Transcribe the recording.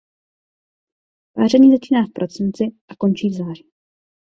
Páření začíná v prosinci a končí v září.